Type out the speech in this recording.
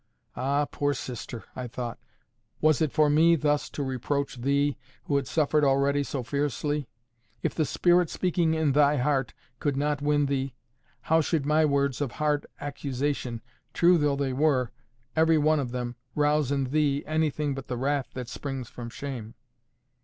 "Ah! poor sister," I thought, "was it for me thus to reproach thee who had suffered already so fiercely? If the Spirit speaking in thy heart could not win thee, how should my words of hard accusation, true though they were, every one of them, rouse in thee anything but the wrath that springs from shame?